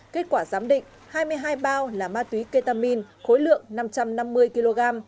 kết quả giám định hai mươi hai bao là ma túy ketamin khối lượng năm trăm năm mươi kg